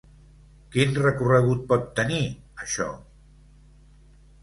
Quin recorregut pot tenir, això?